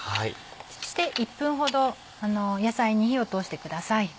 そして１分ほど野菜に火を通してください。